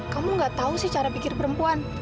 kamu gak tahu sih cara pikir perempuan